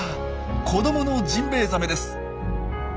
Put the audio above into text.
子どものジンベエザメです。